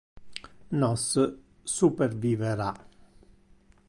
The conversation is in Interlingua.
Nos supervivera.